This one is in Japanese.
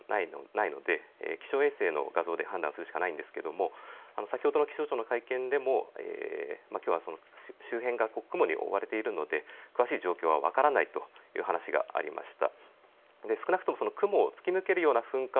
ただそういった鳥島などには観測点がないので気象衛星の画像で判断するしかないんですけれども先ほどの気象庁の会見でもきょうは周辺が雲に覆われているので詳しい状況は分からないという話がありました。